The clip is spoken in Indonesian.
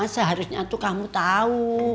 seharusnya tuh kamu tahu